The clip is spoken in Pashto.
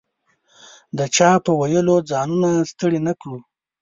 د چا په ویلو ځانونه ستړي نه کړو.